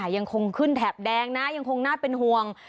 ยังคงขึ้นแถบแดงนะยังคงน่าเป็นห่วง